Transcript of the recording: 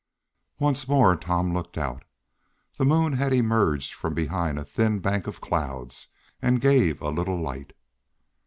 Once more Tom looked out. The moon had emerged from behind a thin bank of clouds, and gave a little light.